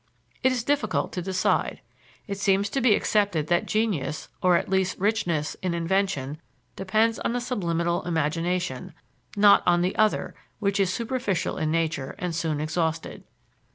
It is difficult to decide. It seems to be accepted that genius, or at least richness, in invention depends on the subliminal imagination, not on the other, which is superficial in nature and soon exhausted.